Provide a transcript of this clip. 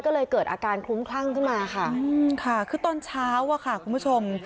ก็เลยเกิดอาการคลุ้มคลั่งขึ้นมาค่ะค่ะคือตอนเช้าอะค่ะคุณผู้ชม